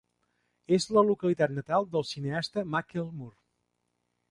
És la localitat natal del cineasta Michael Moore.